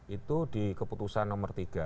itu di keputusan nomor tiga